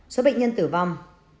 số bệnh nhân tử vong